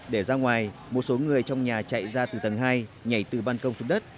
để ra ngoài một số người trong nhà chạy ra từ tầng hai nhảy từ ban công xuống đất